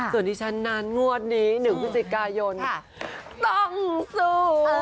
ส่วนที่ฉันนั้นงวดนี้๑พฤศจิกายนต้องสู้